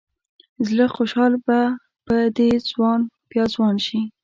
زوړ خوشال به په دې ځوان بیا ځوان شي.